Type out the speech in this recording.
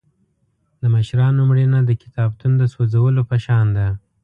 د مشرانو مړینه د کتابتون د سوځولو په شان ده.